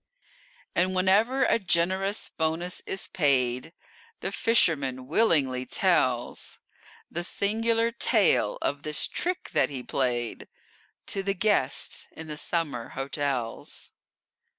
And, whenever a generous bonus is paid, The fisherman willingly tells The singular tale of this trick that he played, To the guests in the summer hotels.